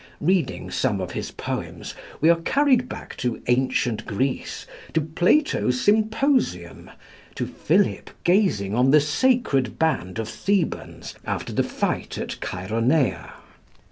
Reading some of his poems, we are carried back to ancient Greece to Plato's Symposium, to Philip gazing on the Sacred Band of Thebans after the fight at Chæronea.